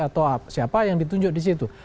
atau siapa yang ditunjuk di situ